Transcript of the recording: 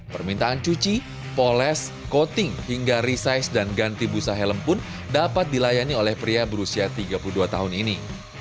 permintaan cuci poles coating hingga resize dan ganti busa helm pun dapat dilayani oleh pria berusia tiga puluh dua tahun ini